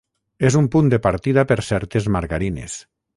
És un punt de partida per certes margarines.